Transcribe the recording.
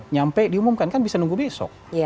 nyampe diumumkan kan bisa nunggu besok